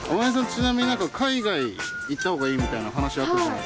ちなみに何か海外行った方がいいみたいな話あったじゃないですか。